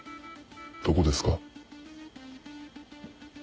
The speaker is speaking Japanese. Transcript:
どこですか？